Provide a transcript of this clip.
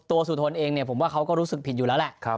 สุธนเองเนี่ยผมว่าเขาก็รู้สึกผิดอยู่แล้วแหละ